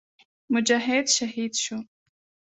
مجاهد شهید شو.